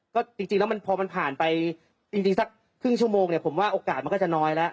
ก็จริงแล้วมันพอมันผ่านไปจริงสักครึ่งชั่วโมงเนี่ยผมว่าโอกาสมันก็จะน้อยแล้ว